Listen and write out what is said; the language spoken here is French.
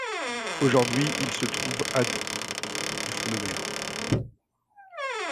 Aujourd'hui il se trouve à du front de mer.